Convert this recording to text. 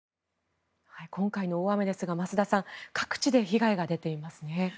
今回の大雨ですが増田さん各地で被害が出ていますね。